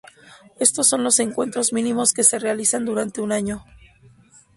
Estos son los encuentros mínimos que se realizan durante un año.